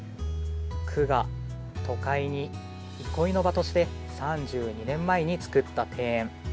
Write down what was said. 区が都会に憩いの場として３２年前に造った庭園。